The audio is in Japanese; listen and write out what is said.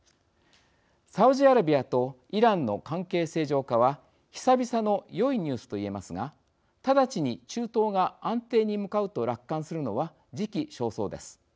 サウジアラビアとイランの関係正常化は久々のよいニュースと言えますが直ちに中東が安定に向かうと楽観するのは時期尚早です。